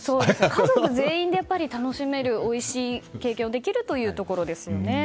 家族みんなで楽しめるおいしい経験もできるということですね。